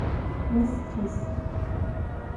Ос къесы.